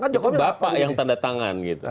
cukup bapak yang tanda tangan gitu